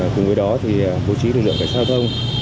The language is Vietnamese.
cùng với đó bố trí lực lượng gạch giao thông